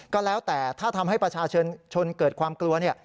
ก็แล้วแต่ถ้าทำให้ประชาชนชนเกิดความกลัวเนี่ย